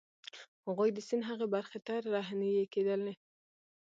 هغوی د سیند هغې برخې ته رهنيي کېدل.